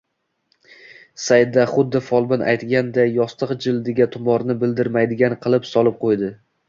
Saida xuddi folbin aytganday yostiq jildiga tumorni bildirmaydigan qilib solib qo`ydi